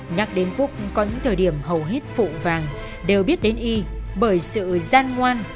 nhắc đến phúc có những thời điểm hầu hết phụ vàng đều biết đến y bởi sự gian ngoan